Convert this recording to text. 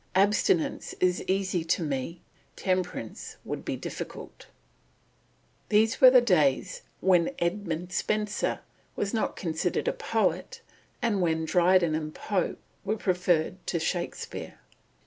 Abstinence is easy to me; temperance would be difficult." These were days when Edmund Spenser was not considered a poet, and when Dryden and Pope were preferred to Shakespeare.